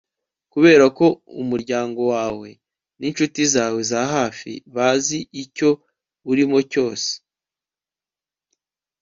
kubera ko umuryango wawe n'incuti zawe za hafi bazi icyo urimo cyose